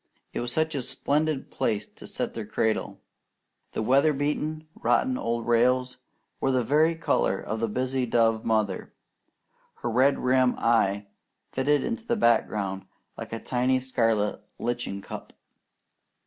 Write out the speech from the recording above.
It was such a splendid place to set their cradle. The weatherbeaten, rotting old rails were the very colour of the busy dove mother. Her red rimmed eye fitted into the background like a tiny scarlet lichen cup.